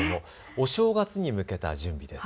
お正月に向けた準備です。